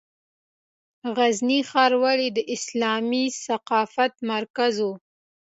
غزني ښار ولې د اسلامي ثقافت مرکز و؟